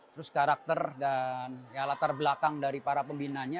terus karakter dan latar belakang dari para pembinanya